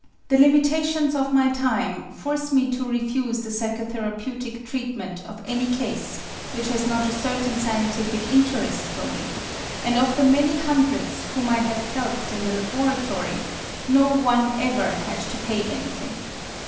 The limitations of my time force me to refuse the psychotherapeutic treatment of any case which has not a certain scientific interest for me, and of the many hundreds whom I have helped in the laboratory, no one ever had to pay anything.